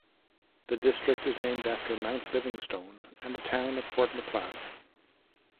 The district is named after Mount Livingstone and the town of Fort Macleod.